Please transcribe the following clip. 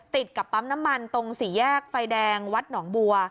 ติดกับปั๊มน้ำมันตรงสี่แยกไฟแดงวัดหนองบัว